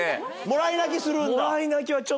もらい泣きするんだ？